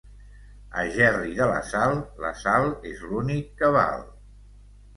A Gerri de la Sal, la sal és l'únic que val.